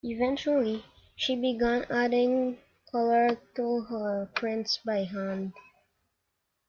Eventually, she began adding color to her prints by hand.